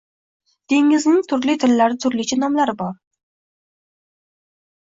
Dengizning turli tillarda turlicha nomlari bor